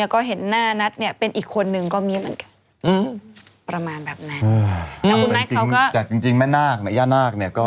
ก็เห็นหน้านัทเป็นอีกคนนึงก็มีเหมือนกัน